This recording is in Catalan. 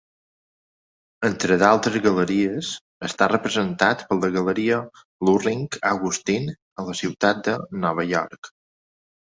Entre d'altres galeries, està representat per la galeria Luhring Augustine a la ciutat de Nova York.